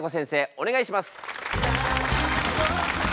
お願いします。